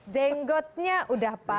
zenggotnya udah pas